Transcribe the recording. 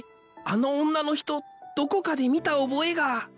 あの女の人どこかで見た覚えが